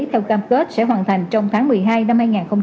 theo cam kết sẽ hoàn thành trong tháng một mươi hai năm hai nghìn một mươi chín